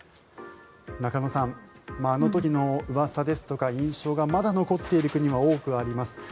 中野さんあの時のうわさですとか印象がまだ残っている国が多くあります。